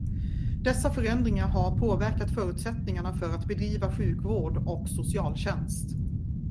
Dessa förändringar har påverkat förutsättningarna för att bedriva sjukvård och socialtjänst.